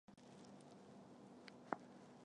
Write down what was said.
该属分布于北温带。